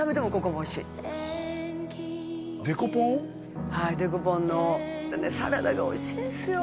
はいデコポンのサラダがおいしいんですよ